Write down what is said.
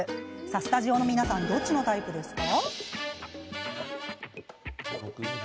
スタジオの皆さんはどちらのタイプですか？